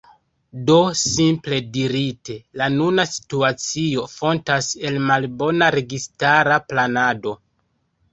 Do, simple dirite, la nuna situacio fontas el malbona registara planado.